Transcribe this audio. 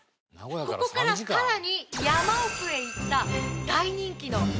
ここからさらに山奥へ行った大人気の珍百景なんです。